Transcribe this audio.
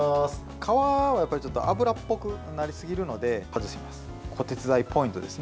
皮は脂っぽくなりすぎるので外します。